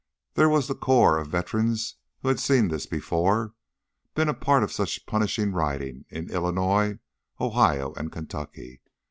There was the core of veterans who had seen this before, been a part of such punishing riding in Illinois, Ohio, and Kentucky.